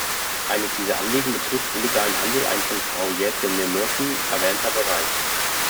Eines dieser Anliegen betrifft illegalen Handel ein von Frau Jäätteenmöki erwähnter Bereich.